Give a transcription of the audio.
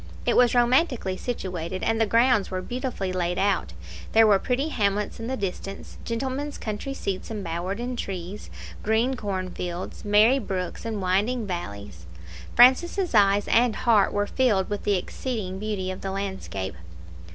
It was romantically situated, and the grounds were beautifully laid out; there were pretty hamlets in the distance, gentlemen's country seats embowered in trees, green cornfields, merry brooks, and winding valleys. Francis' eyes and heart were filled with the exceeding beauty of the landscape.